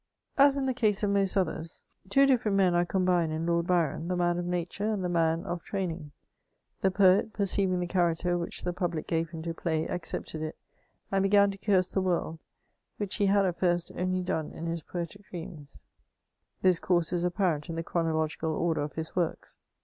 As in the case of most others, two difierent men are combined in Lord Byron ; the man of nature and the man of tramht^^ The poet, percmving the diaracter which the pablic gave famoi to play, accepted i^ and began to corse the world, whidi he had at first only done in his poetic dreams ; this course is a^a rent in the chronolo^cal order of his woiics.